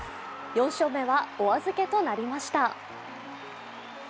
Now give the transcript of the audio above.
４勝目はお預けとなりました。